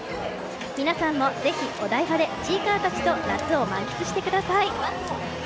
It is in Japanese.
皆さんもぜひ、お台場でちいかわたちと夏を満喫してください。